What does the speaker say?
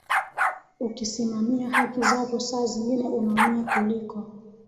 ukisimamia haki zako saa zingine unaumia kuliko